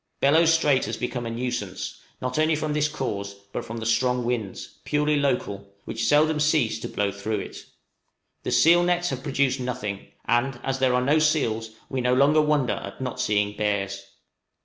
Bellot Strait has become a nuisance, not only from this cause, but from the strong winds purely local which seldom cease to blow through it. The seal nets have produced nothing; and as there are no seals, we no longer wonder at not seeing bears.